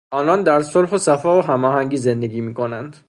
آنان در صلح و صفا و هماهنگی زندگی میکنند.